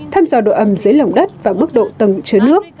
thăm dò độ ẩm dưới lỏng đất và bức độ tầng chứa nước